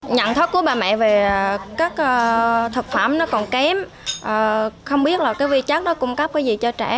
nhận thức của bà mẹ về các thực phẩm nó còn kém không biết là cái vi chất nó cung cấp cái gì cho trẻ